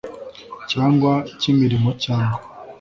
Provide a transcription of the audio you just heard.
Cyangwa cy imirimo cyangwa